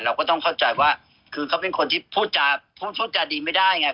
เราก็ต้องเข้าใจว่าคือเขาเป็นคนที่พูดจาพูดพูดจาดีไม่ได้ไง